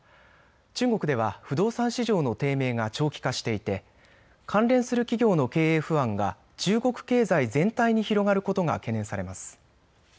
中国では不動産市場の低迷が長期化していて関連する企業の経営不安が中国経済全体に広がることが懸念されます。